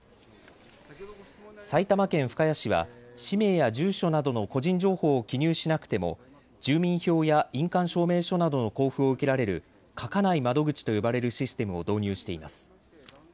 埼玉県深谷市は氏名や住所などの個人情報を記入しなくても住民票や印鑑証明書などの交付を受けられる書かない窓口と呼ばれるシステムを導入しています。